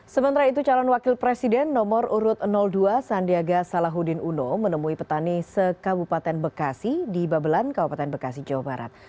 sementara itu calon wakil presiden nomor urut dua sandiaga salahuddin uno menemui petani sekabupaten bekasi di babelan kabupaten bekasi jawa barat